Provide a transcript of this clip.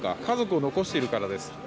家族を残しているからです。